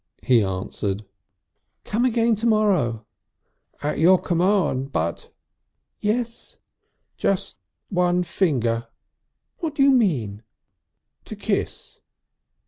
he answered. "Come again to morrow!" "At your command. But " "Yes?" "Just one finger." "What do you mean?" "To kiss."